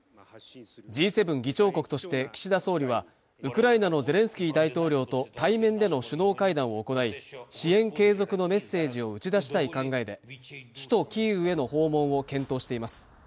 Ｇ７議長国として岸田総理は、ウクライナのゼレンスキー大統領と対面での首脳会談を行い、支援継続のメッセージを打ち出したい考えで、首都キーウへの訪問を検討しています。